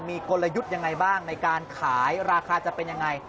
มีกลยุทธ์ยังไงบ้างในการขายราคาจะเป็นยังไง